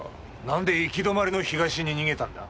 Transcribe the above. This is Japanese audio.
なんで行き止まりの東に逃げたんだ？